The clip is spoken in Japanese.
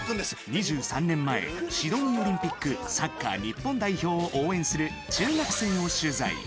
２３年前、シドニーオリンピックサッカー日本代表を応援する中学生を取材。